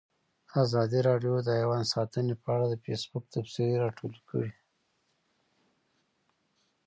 ازادي راډیو د حیوان ساتنه په اړه د فیسبوک تبصرې راټولې کړي.